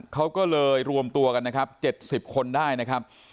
เขาก็เลยรวมตัวกันนะครับ๗๐คนได้นะครับ